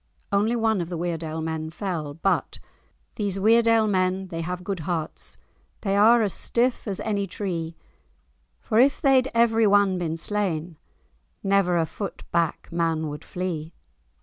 Only one of the Weardale men fell but— "These Weardale men, they have good hearts, They are as stiff as any tree; For, if they'd everyone been slain, Never a foot back man would flee.